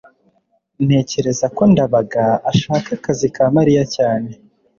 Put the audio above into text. ntekereza ko ndabaga ashaka akazi ka mariya cyane